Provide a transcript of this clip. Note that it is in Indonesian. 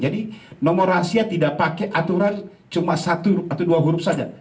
jadi nomor rahasia tidak pakai aturan cuma satu atau dua huruf saja